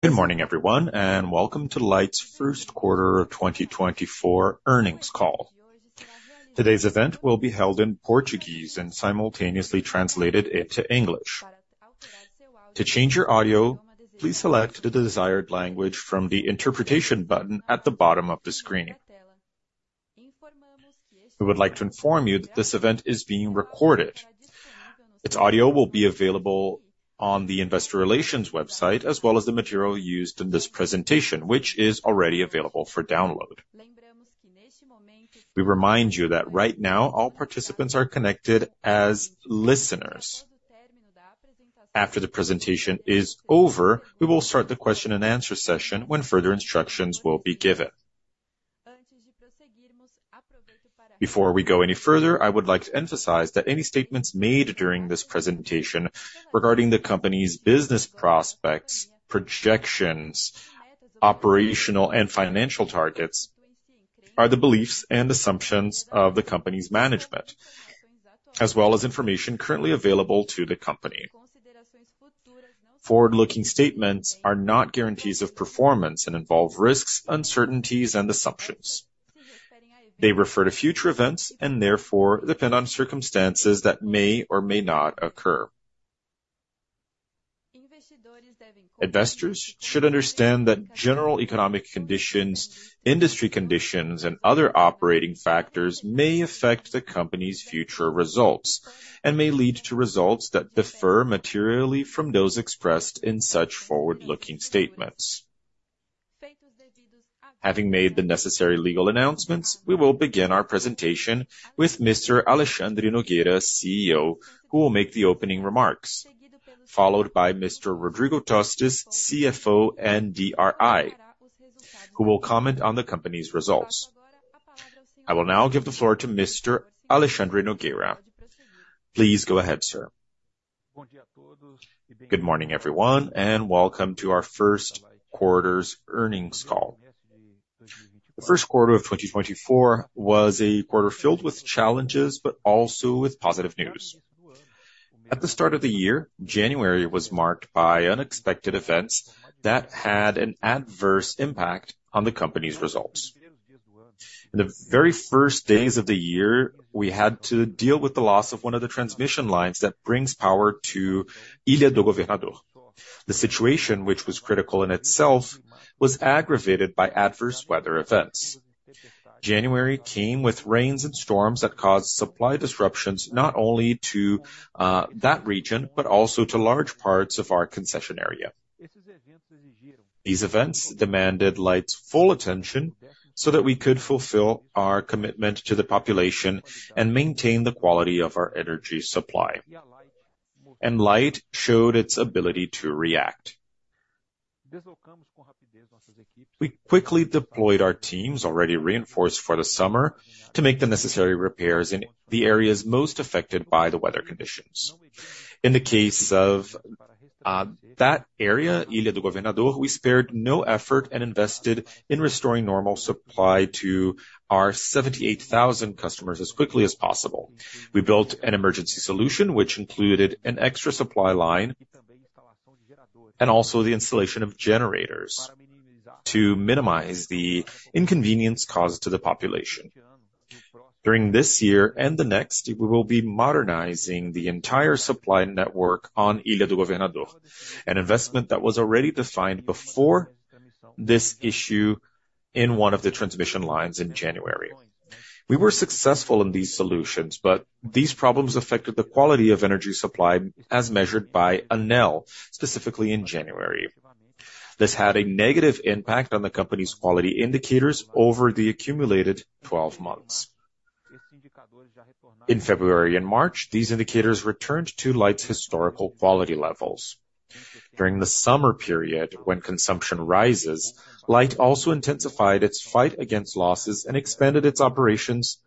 Good morning, everyone, and welcome to Light's first quarter of 2024 earnings call. Today's event will be held in Portuguese and simultaneously translated into English. To change your audio, please select the desired language from the interpretation button at the bottom of the screen. We would like to inform you that this event is being recorded. Its audio will be available on the investor relations website, as well as the material used in this presentation, which is already available for download. We remind you that right now, all participants are connected as listeners. After the presentation is over, we will start the question and answer session when further instructions will be given. Before we go any further, I would like to emphasize that any statements made during this presentation regarding the company's business prospects, projections, operational and financial targets, are the beliefs and assumptions of the company's management, as well as information currently available to the company. Forward-looking statements are not guarantees of performance and involve risks, uncertainties, and assumptions. They refer to future events and therefore depend on circumstances that may or may not occur. Investors should understand that general economic conditions, industry conditions, and other operating factors may affect the company's future results, and may lead to results that differ materially from those expressed in such forward-looking statements. Having made the necessary legal announcements, we will begin our presentation with Mr. Alexandre Nogueira, CEO, who will make the opening remarks, followed by Mr. Rodrigo Tostes, CFO and DRI, who will comment on the company's results. I will now give the floor to Mr. Alexandre Nogueira. Please go ahead, sir. Good morning, everyone, and welcome to our first quarter's earnings call. The first quarter of 2024 was a quarter filled with challenges, but also with positive news. At the start of the year, January was marked by unexpected events that had an adverse impact on the company's results. In the very first days of the year, we had to deal with the loss of one of the transmission lines that brings power to Ilha do Governador. The situation, which was critical in itself, was aggravated by adverse weather events. January came with rains and storms that caused supply disruptions not only to that region, but also to large parts of our concession area. These events demanded Light's full attention so that we could fulfill our commitment to the population and maintain the quality of our energy supply. Light showed its ability to react. We quickly deployed our teams, already reinforced for the summer, to make the necessary repairs in the areas most affected by the weather conditions. In the case of that area, Ilha do Governador, we spared no effort and invested in restoring normal supply to our 78,000 customers as quickly as possible. We built an emergency solution, which included an extra supply line, and also the installation of generators to minimize the inconvenience caused to the population. During this year and the next, we will be modernizing the entire supply network on Ilha do Governador, an investment that was already defined before this issue in one of the transmission lines in January. We were successful in these solutions, but these problems affected the quality of energy supply as measured by ANEEL, specifically in January. This had a negative impact on the company's quality indicators over the accumulated twelve months. In February and March, these indicators returned to Light's historical quality levels. During the summer period, when consumption rises, Light also intensified its fight against losses and expanded its operations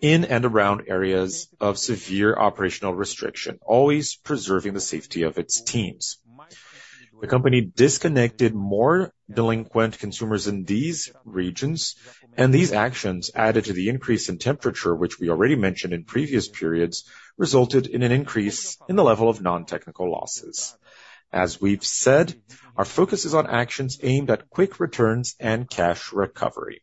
in and around areas of severe operational restriction, always preserving the safety of its teams. The company disconnected more delinquent consumers in these regions, and these actions, added to the increase in temperature, which we already mentioned in previous periods, resulted in an increase in the level of non-technical losses. As we've said, our focus is on actions aimed at quick returns and cash recovery.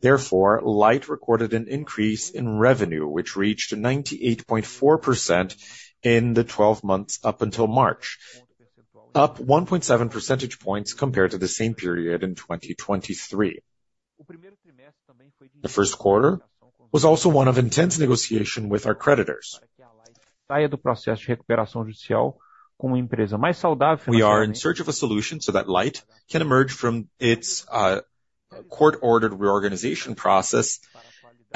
Therefore, Light recorded an increase in revenue, which reached 98.4% in the 12 months up until March, up 1.7 percentage points compared to the same period in 2023. The first quarter was also one of intense negotiation with our creditors. We are in search of a solution so that Light can emerge from its court-ordered reorganization process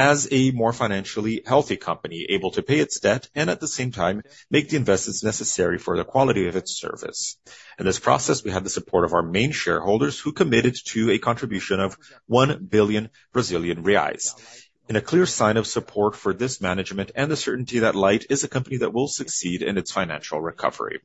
as a more financially healthy company, able to pay its debt, and at the same time, make the investments necessary for the quality of its service. In this process, we have the support of our main shareholders, who committed to a contribution of 1 billion Brazilian reais. In a clear sign of support for this management and the certainty that Light is a company that will succeed in its financial recovery.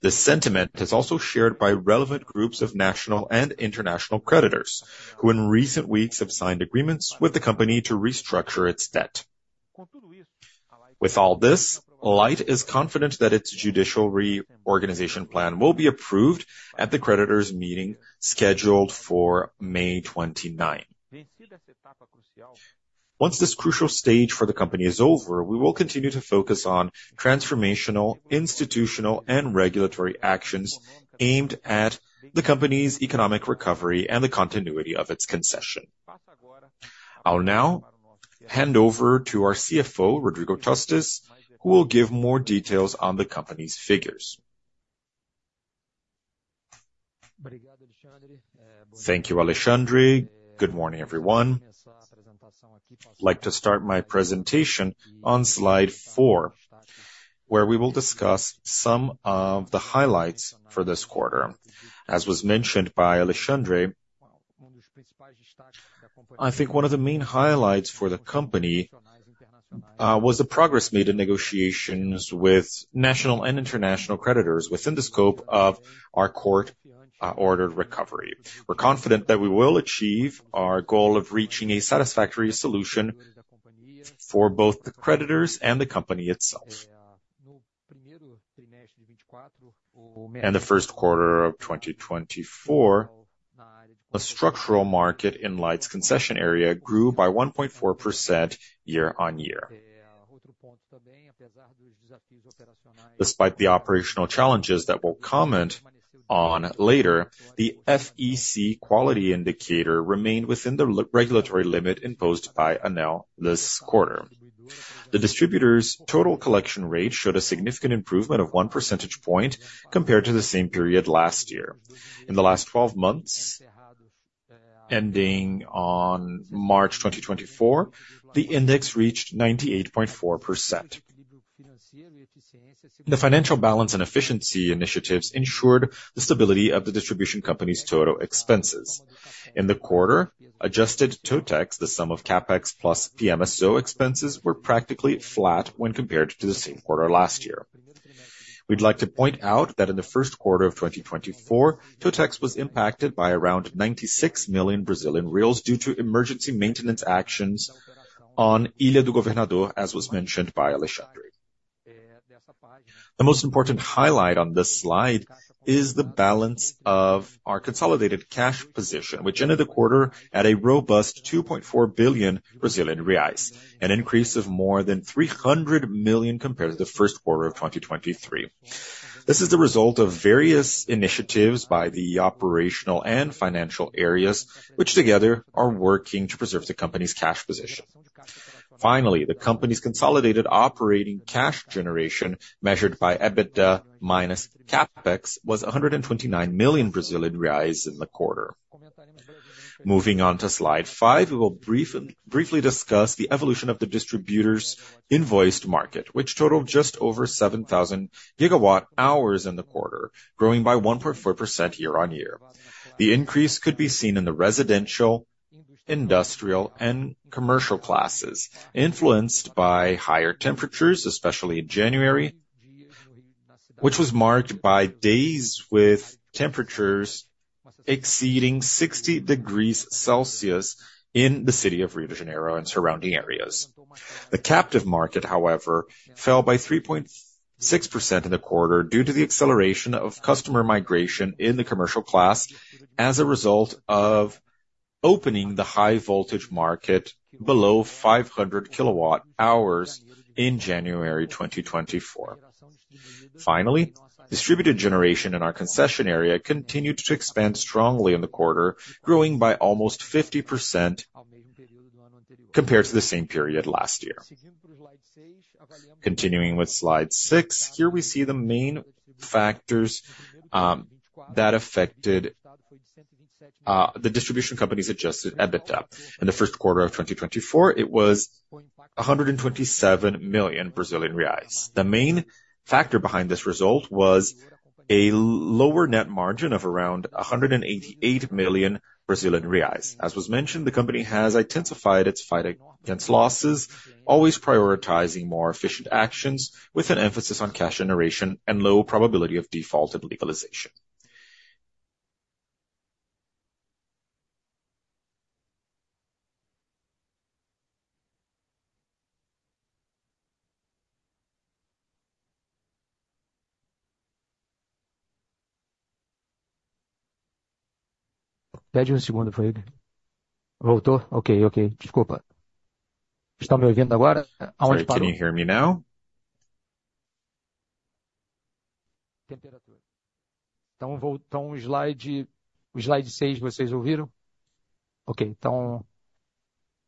This sentiment is also shared by relevant groups of national and international creditors, who in recent weeks have signed agreements with the company to restructure its debt. With all this, Light is confident that its judicial reorganization plan will be approved at the creditors' meeting, scheduled for May 29. Once this crucial stage for the company is over, we will continue to focus on transformational, institutional, and regulatory actions aimed at the company's economic recovery and the continuity of its concession. I'll now hand over to our CFO, Rodrigo Tostes, who will give more details on the company's figures. Thank you, Alexandre. Good morning, everyone. I'd like to start my presentation on slide four, where we will discuss some of the highlights for this quarter. As was mentioned by Alexandre, I think one of the main highlights for the company was the progress made in negotiations with national and international creditors within the scope of our court ordered recovery. We're confident that we will achieve our goal of reaching a satisfactory solution for both the creditors and the company itself. The first quarter of 2024, the structural market in Light's concession area grew by 1.4% year-on-year. Despite the operational challenges that we'll comment on later, the FEC quality indicator remained within the regulatory limit imposed by ANEEL this quarter. The distributor's total collection rate showed a significant improvement of one percentage point compared to the same period last year. In the last 12 months, ending on March 2024, the index reached 98.4%. The financial balance and efficiency initiatives ensured the stability of the distribution company's total expenses. In the quarter, adjusted Totex, the sum of CapEx plus PMSO expenses, were practically flat when compared to the same quarter last year. We'd like to point out that in the first quarter of 2024, Totex was impacted by around 96 million Brazilian reais due to emergency maintenance actions on Ilha do Governador, as was mentioned by Alexandre. The most important highlight on this slide is the balance of our consolidated cash position, which ended the quarter at a robust 2.4 billion Brazilian reais, an increase of more than 300 million compared to the first quarter of 2023. This is the result of various initiatives by the operational and financial areas, which together are working to preserve the company's cash position. Finally, the company's consolidated operating cash generation, measured by EBITDA minus CapEx, was 129 million Brazilian reais in the quarter. Moving on to slide five, we will briefly discuss the evolution of the distributor's invoiced market, which totaled just over 7,000 GWh in the quarter, growing by 1.4% year-on-year. The increase could be seen in the residential, industrial, and commercial classes, influenced by higher temperatures, especially in January, which was marked by days with temperatures exceeding 60°C in the city of Rio de Janeiro and surrounding areas. The captive market, however, fell by 3.6% in the quarter due to the acceleration of customer migration in the commercial class as a result of opening the high voltage market below 500 kWh in January 2024. Finally, distributed generation in our concession area continued to expand strongly in the quarter, growing by almost 50% compared to the same period last year. Continuing with slide six, here we see the main factors that affected the distribution company's adjusted EBITDA. In the first quarter of 2024, it was 127 million Brazilian reais. The main factor behind this result was a lower net margin of around 188 million Brazilian reais. As was mentioned, the company has intensified its fight against losses, always prioritizing more efficient actions, with an emphasis on cash generation and low probability of default and legalization. Sorry, can you hear me now?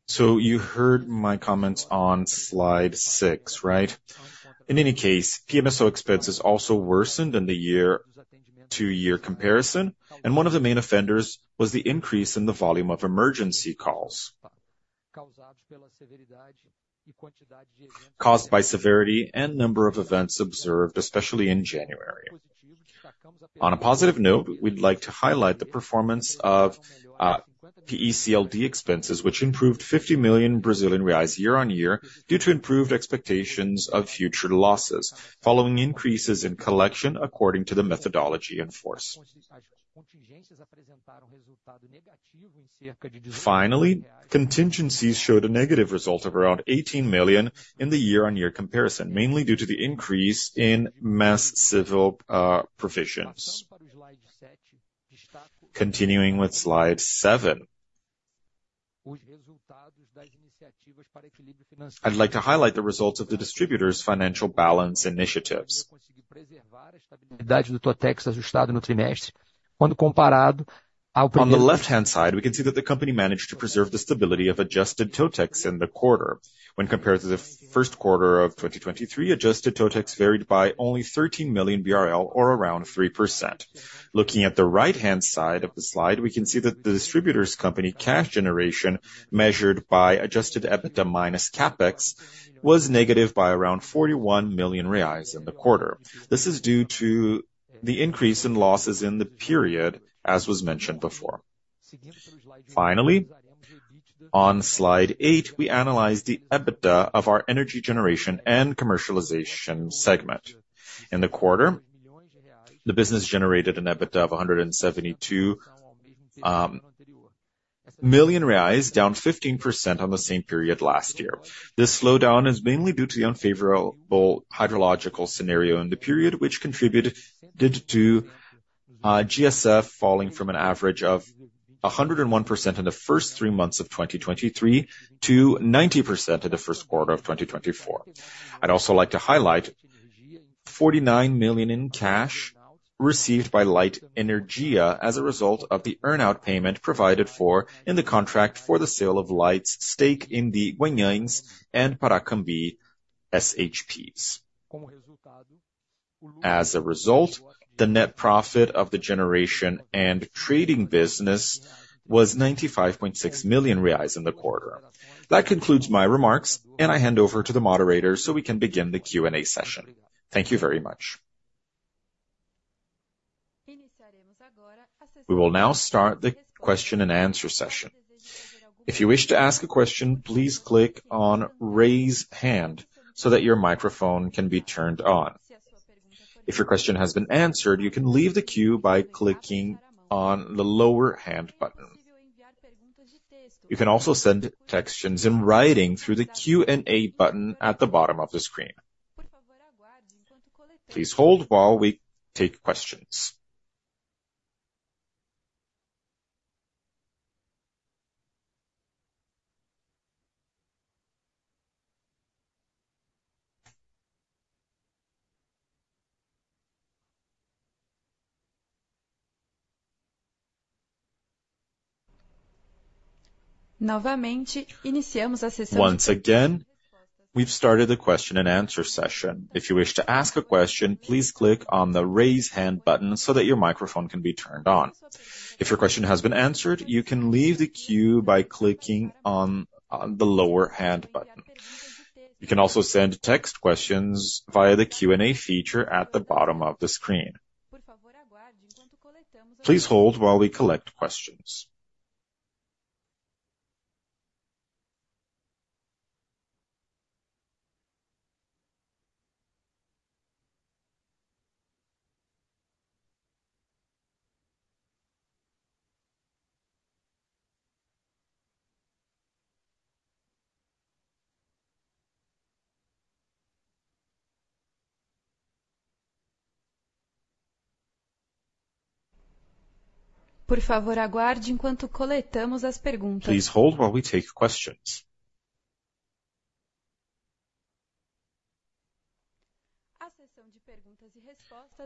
So you heard my comments on slide six, right? In any case, PMSO expenses also worsened in the year-over-year comparison, and one of the main offenders was the increase in the volume of emergency calls, caused by severity and number of events observed, especially in January. On a positive note, we'd like to highlight the performance of PECLD expenses, which improved 50 million Brazilian reais year-over-year, due to improved expectations of future losses, following increases in collection according to the methodology in force. Finally, contingencies showed a negative result of around 18 million in the year-over-year comparison, mainly due to the increase in mass civil provisions. Continuing with slide seven. I'd like to highlight the results of the distributor's financial balance initiatives. On the left-hand side, we can see that the company managed to preserve the stability of adjusted TOTEX in the quarter. When compared to the first quarter of 2023, adjusted TOTEX varied by only 13 million BRL or around 3%. Looking at the right-hand side of the slide, we can see that the distributor's company cash generation, measured by adjusted EBITDA minus CapEx, was negative by around 41 million reais in the quarter. This is due to the increase in losses in the period, as was mentioned before. Finally, on slide eight, we analyze the EBITDA of our energy generation and commercialization segment. In the quarter, the business generated an EBITDA of 172 million reais, down 15% on the same period last year. This slowdown is mainly due to the unfavorable hydrological scenario in the period, which contributed to GSF falling from an average of 101% in the first three months of 2023 to 90% in the first quarter of 2024. I'd also like to highlight 49 million in cash received by Light Energia as a result of the earn-out payment provided for in the contract for the sale of Light's stake in the Guanhães and Paracambi SHPs. As a result, the net profit of the generation and trading business was 95.6 million reais in the quarter. That concludes my remarks, and I hand over to the moderator so we can begin the Q&A session. Thank you very much. We will now start the question-and-answer session. If you wish to ask a question, please click on Raise Hand so that your microphone can be turned on. If your question has been answered, you can leave the queue by clicking on the lower hand button. You can also send questions in writing through the Q&A button at the bottom of the screen. Please hold while we take questions. Once again, we've started the question-and-answer session. If you wish to ask a question, please click on the Raise Hand button so that your microphone can be turned on. If your question has been answered, you can leave the queue by clicking on the lower hand button. You can also send text questions via the Q&A feature at the bottom of the screen. Please hold while we collect questions. Please hold while we take questions.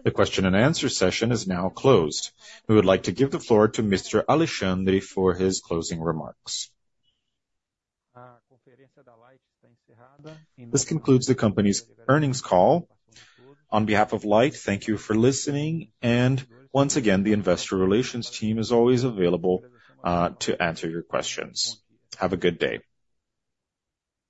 The question-and-answer session is now closed. We would like to give the floor to Mr. Alexandre for his closing remarks. This concludes the company's earnings call. On behalf of Light, thank you for listening, and once again, the investor relations team is always available to answer your questions. Have a good day.